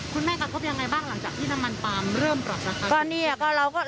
กระทบยังไงบ้างหลังจากที่น้ำมันปาล์มเริ่มปรับราคา